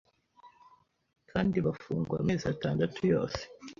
kandi bafungwa amezi atandatu yose